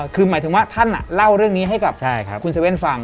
คือหมายถึงว่าท่านเล่าเรื่องนี้ให้กับคุณเว่นฟัง